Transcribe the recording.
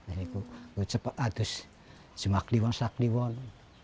perhatikan kuasa dan juga harus berjumlah keliwan jumlah